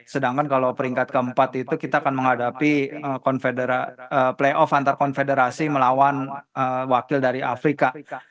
sedangkan kalau peringkat keempat itu kita akan menghadapi playoff antar konfederasi melawan wakil dari afrika